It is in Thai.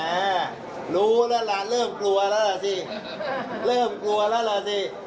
แอะรู้แล้วเหรอเริ่มกลัวแล้วเหรอสิ